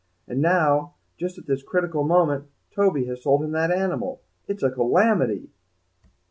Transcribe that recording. And now, just at this critical moment, Toby has sold him that animal. It's a calamity!"